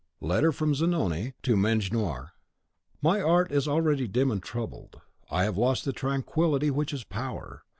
Letter from Zanoni to Mejnour. My art is already dim and troubled. I have lost the tranquillity which is power.